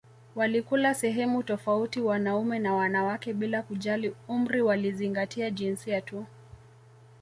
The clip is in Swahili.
Walikula sehemu tofauti wanaume na wanawake bila kujali umri walizingatia jinsia tu